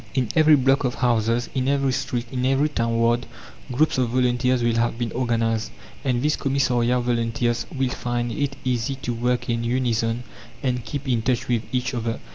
In every block of houses, in every street, in every town ward, groups of volunteers will have been organized, and these commissariat volunteers will find it easy to work in unison and keep in touch with each other.